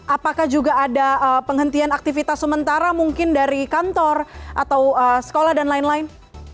apakah juga ada penghentian aktivitas sementara mungkin dari kantor atau sekolah dan lain lain